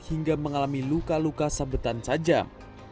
hingga mengalami luka luka sabetan tajam